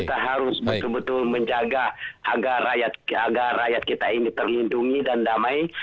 kita harus betul betul menjaga agar rakyat kita ini terlindungi dan damai